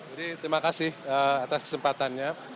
jadi terima kasih atas kesempatannya